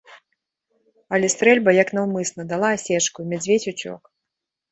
Але стрэльба, як наўмысна, дала асечку, і мядзведзь уцёк.